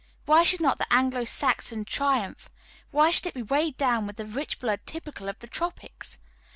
Why should not the Anglo Saxon triumph why should it be weighed down with the rich blood typical of the tropics?